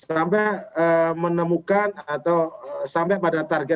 sampai menemukan atau sampai pada target